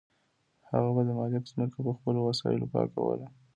هغه به د مالک ځمکه په خپلو وسایلو پاکوله.